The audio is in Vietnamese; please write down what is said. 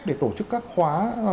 để tổ chức các khóa